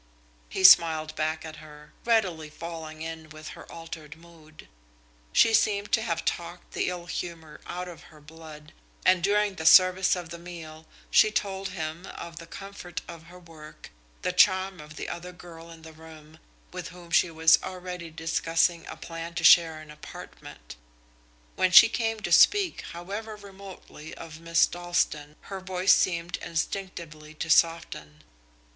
He smiled back at her, readily falling in with her altered mood. She seemed to have talked the ill humour out of her blood, and during the service of the meal she told him of the comfort of her work, the charm of the other girl in the room, with whom she was already discussing a plan to share an apartment. When she came to speak, however remotely, of Miss Dalstan, her voice seemed instinctively to soften.